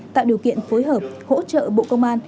tạo điều kiện phối hợp hỗ trợ bộ công an